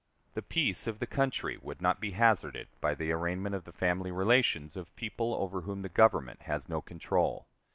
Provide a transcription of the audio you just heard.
The peace of the country would not be hazarded by the arraignment of the family relations of people over whom the Government has no control.